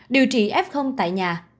điều trị f tại nhà